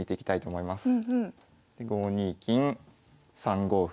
５二金３五歩。